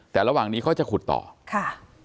แต่ระหว่างนี้เขาจะขุดต่อค่ะ